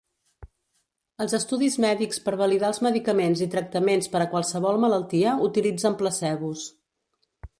Els estudis mèdics per validar els medicaments i tractaments per a qualsevol malaltia utilitzen placebos.